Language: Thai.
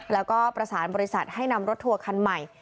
แล้วก็ประสานบริษัทให้นำรถทัวร์คันใหม่